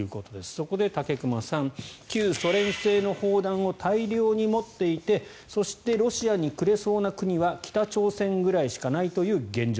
そこで武隈さん旧ソ連製の砲弾を大量に持っていてそしてロシアにくれそうな国は北朝鮮ぐらいしかないという現状